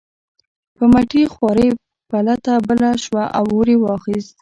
په مټې خوارۍ پلته بله شوه او اور یې واخیست.